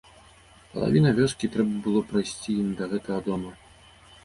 Палавіна вёскі трэба было прайсці ім да гэтага дома.